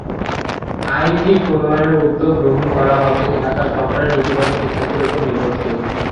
আইনটি প্রণয়নের উদ্যোগ গ্রহণ করা হবে কিনা তা সরকারের নীতিগত সিদ্ধান্তের ওপর নির্ভর করে।